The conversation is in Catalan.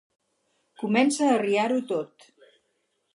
Comença a arriar-ho tot.